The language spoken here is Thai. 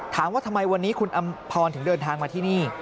ถามว่าทำไมวันนี้คุณอำพรถึงเดินทางมาที่นี่